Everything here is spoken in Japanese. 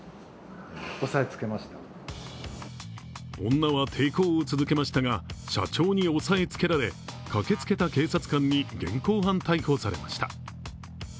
女は抵抗を続けましたが社長に押さえつけられ駆けつけた警察官に現行犯逮捕されました。